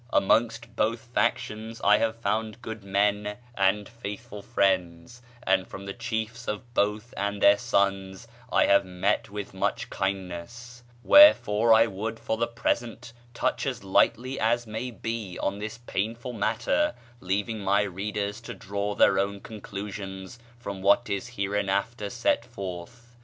Amongst both factions I have found good men and faithful friends, and from the chiefs of both and their sons I have met with much kindness; wherefore I would for the present touch as lightly as may be on this painful matter, leaving my readers to draw their own conclusions from what is hereinafter set forth.